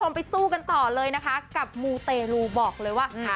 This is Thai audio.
ไปสู้กันต่อเลยนะคะกับมูเตรลูบอกเลยว่า